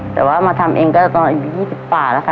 แต่ว่ามาทำเองไม่อย่างก็ว่ากว่าหนึ่งดีสิบเปิดแหละค่ะ